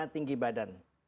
lima tinggi badan